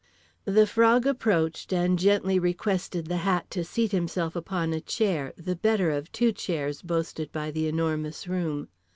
The Frog approached and gently requested The Hat to seat himself upon a chair—the better of two chairs boasted by The Enormous Room.